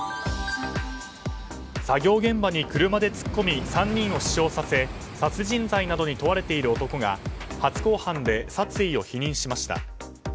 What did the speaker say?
作業現場に車で突っ込み３人を死傷させ殺人罪などに問われている男が初公判で殺意を否認しました。